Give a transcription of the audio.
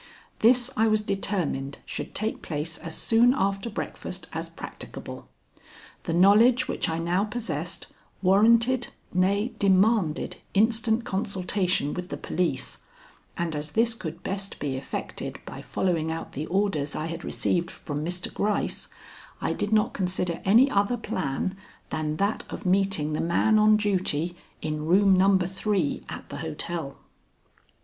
This I was determined should take place as soon after breakfast as practicable. The knowledge which I now possessed warranted, nay, demanded, instant consultation with the police, and as this could best be effected by following out the orders I had received from Mr. Gryce, I did not consider any other plan than that of meeting the man on duty in Room No. 3 at the hotel.